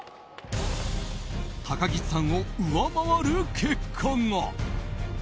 高岸さんを上回る結果が。